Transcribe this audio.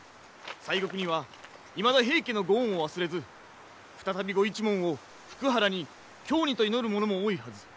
西国にはいまだ平家のご恩を忘れず再びご一門を福原に京にと祈る者も多いはず。